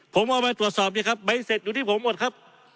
ผมเอามาตรวจสอบสิครับใบเสร็จอยู่ที่ผมหมดครับ